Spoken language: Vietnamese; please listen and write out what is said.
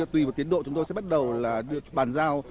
tùy vào tiến độ chúng tôi sẽ bắt đầu là được bàn giao